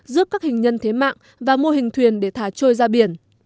giúp các hình nhân thế mạng và mô hình thuyền để thả trôi ra biển